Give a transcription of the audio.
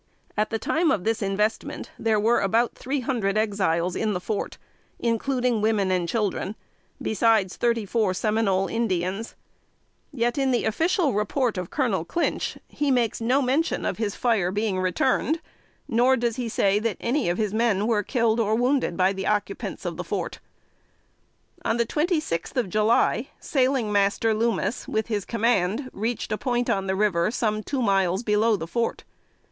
At the time of this investment, there were about three hundred Exiles in the fort, including women and children, besides thirty four Seminole Indians: yet in the official report of Colonel Clinch, he makes no mention of his fire being returned; nor does he say that any of his men were killed or wounded by the occupants of the fort. On the twenty sixth of July, Sailing Master Loomis, with his command, reached a point on the river some two miles below the fort.